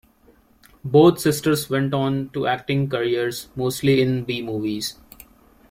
Both sisters went on to acting careers, mostly in B-movies.